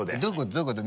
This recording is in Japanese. どういうこと？